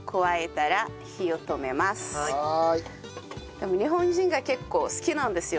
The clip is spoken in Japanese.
でも日本人が結構好きなんですよ。